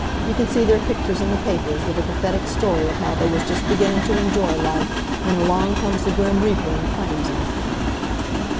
You c'n see their pictures in th' papers, with a pathetic story of how they was just beginnin' t' enjoy life when along comes the grim reaper an' claims 'em."